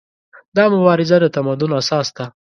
دا مبارزه د تمدن اساس ده.